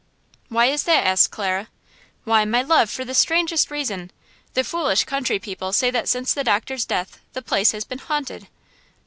"Why is that?" asked Clara. "Why, my love, for the strangest reason! The foolish country people say that since the doctor's death the place has been haunted!"